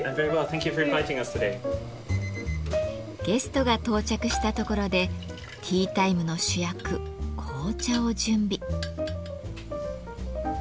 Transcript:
ゲストが到着したところでティータイムの主役紅茶を準備。